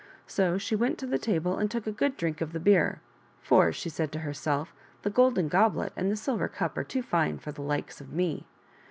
So she went to the table and took a good drink of the beer, " for," said she to herself, " the golden goblet and the silver cup are too fine for the likes of me."